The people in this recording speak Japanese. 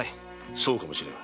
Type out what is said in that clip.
そうかもしれん。